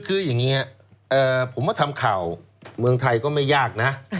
คืออย่างนี้ผมว่าทำข่าวเมืองไทยก็ไม่ยากนะ